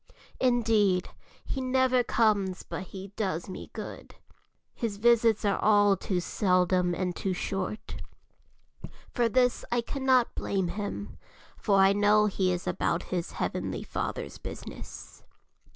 Indeed, he never comes but he does me good; his visits are all too seldom and too short. For this I cannot blame him, for I know he is about his Heavenly Father's business.